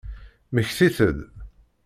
Mmektit-d!